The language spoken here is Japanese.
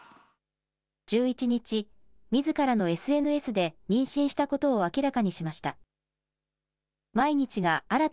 １１日、みずからのＳＮＳで妊娠したことを明らかにしました。